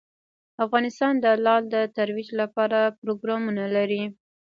افغانستان د لعل د ترویج لپاره پروګرامونه لري.